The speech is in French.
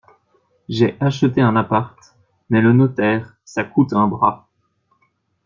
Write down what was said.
J'ai acheté un appart, mais le notaire ça coûte un bras.